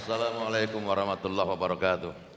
assalamu'alaikum warahmatullahi wabarakatuh